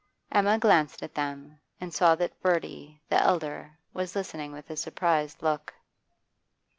Emma glanced at them, and saw that Bertie, the elder, was listening with a surprised look.